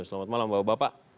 selamat malam bapak bapak